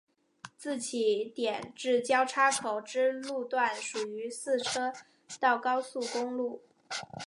自起点至交叉口之路段属于四车道高速公路。